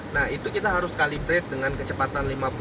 nah itu kita harus calibrate dengan kecepatan